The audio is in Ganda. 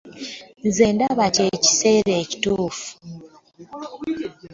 Nze ndaba kye kiseera ekituufu.